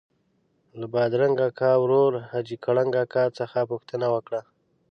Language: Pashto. له بادرنګ اکا ورور حاجي کړنګ اکا څخه پوښتنه وکړه.